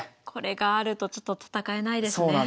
これがあるとちょっと戦えないですね。